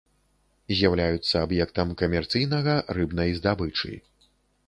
З'яўляюцца аб'ектам камерцыйнага рыбнай здабычы.